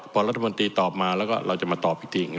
พระรัฐมนตรีตอบมาแล้วเราจะมาตอบหรืออย่างนี้